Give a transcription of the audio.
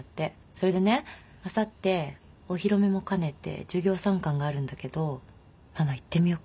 それでねあさってお披露目も兼ねて授業参観があるんだけどママ行ってみようかな。